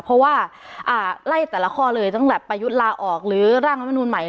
เพราะว่าไล่แต่ละข้อเลยตั้งแต่ประยุทธ์ลาออกหรือร่างรัฐมนุนใหม่